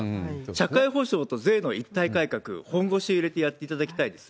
社会保障と税の一体改革、本腰入れてやっていただきたいです。